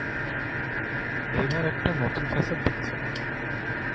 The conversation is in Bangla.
এ আবার একটা নতুন ফ্যাসাদ দেখছি।